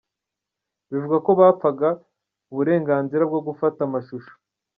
Bivugwa ko bapfaga uburenganzira bwo gufata amashusho.